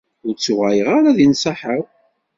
Ur ttuɣaleɣ ara di nnṣaḥa-w.